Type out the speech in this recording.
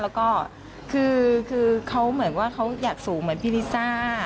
แล้วก็คือเขาเหมือนว่าเขาอยากสูงเหมือนพี่ลิซ่า